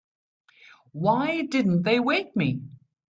Why didn't they wake me?